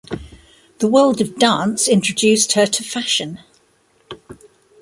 The world of dance introduced her to fashion.